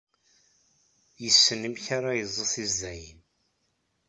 Yessen amek ara yeẓẓu tizdayin.